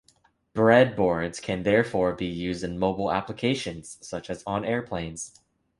Breadboards can therefore be used in mobile applications, such as on airplanes.